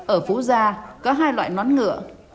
ở phú gia có hai loại nón ngựa